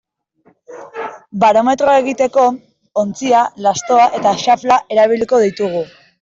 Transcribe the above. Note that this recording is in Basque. Barometroa egiteko ontzia, lastoa eta xafla erabiliko ditugu.